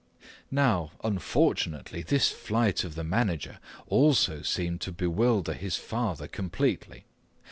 Now, unfortunately this flight of the manager also seemed to bewilder his father completely.